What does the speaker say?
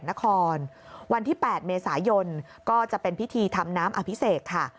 นครวันที่๘เมษายนก็จะเป็นพิธีทำน้ำอภิเษกค่ะ